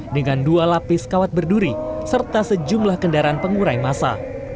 dengan dua lapis kawat berduri serta sejumlah kendaraan pengurai masa